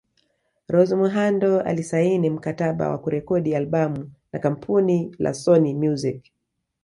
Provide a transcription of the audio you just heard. Rose Muhando alisaini mkataba wa kurekodi albam na kampuni la Sony Music